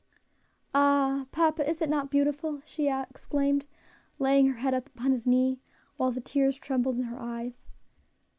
"Ah! papa, is it not beautiful?" she exclaimed, laying her head upon his knee, while the tears trembled in her eyes.